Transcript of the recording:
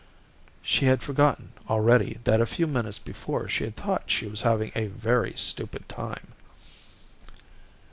She had forgotten, already, that a few minutes before she thought she was having a very stupid time.